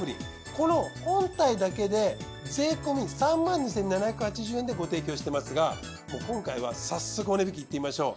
この本体だけで税込３２，７８０円でご提供してますがもう今回は早速お値引きいってみましょう。